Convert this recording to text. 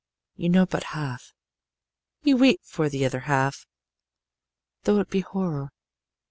You know but half you weep for the other half, though it be horror.